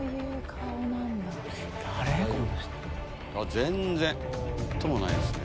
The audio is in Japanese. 全然何ともないですね。